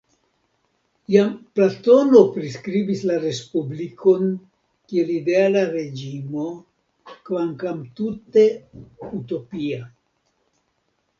Jam Platono priskribis la respublikon kiel ideala reĝimo, kvankam tute utopia.